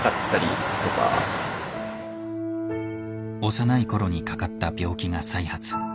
幼いころにかかった病気が再発。